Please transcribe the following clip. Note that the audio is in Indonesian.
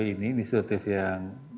ini inisiatif yang